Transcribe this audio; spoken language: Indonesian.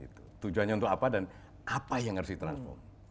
tujuannya untuk apa dan apa yang harus ditransform